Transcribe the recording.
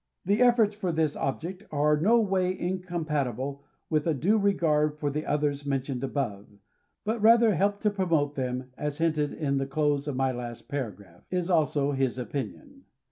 That efforts for this object are no way incompatible with a dufc regard for the others mentioned above, but rather help to promote them, as hinted in the close of my last paragraph, is also his opinion.